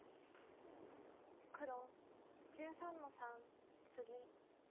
黒１３の三ツギ。